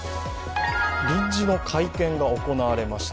臨時の会見が行われました。